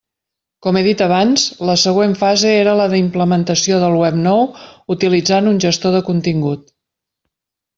Com he dit abans, la següent fase era la d'implementació del web nou utilitzant un gestor de contingut.